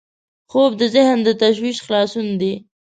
خوب د ذهن له تشویشه خلاصون دی